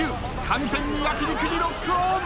完全に焼き肉にロックオン。